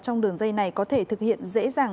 trong đường dây này có thể thực hiện dễ dàng